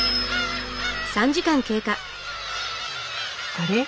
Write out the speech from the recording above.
あれ？